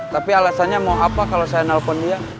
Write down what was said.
tapi alasannya mau apa kalau saya nelpon dia